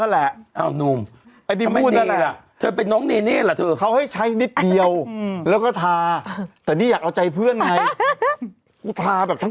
เขาก็มองตากันไหมตอนเขายื่นกระเชา